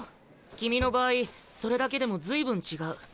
君の場合それだけでも随分違う。